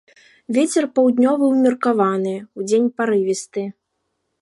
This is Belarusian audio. Вецер паўднёвы ўмеркаваны, удзень парывісты.